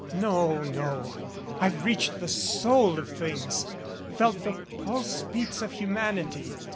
"No, no. I've reached the soul of things felt the pulse beats of humanity.